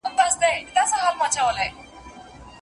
نو لویه لاسته راوړنه ده.